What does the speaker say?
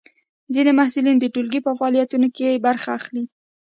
ځینې محصلین د ټولګي په فعالیتونو کې برخه اخلي.